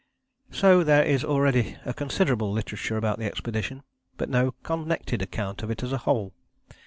So there is already a considerable literature about the expedition, but no connected account of it as a whole.